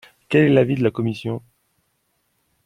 Quel est l’avis de la commission?